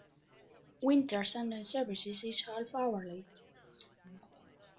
Winter Sunday services is half-hourly.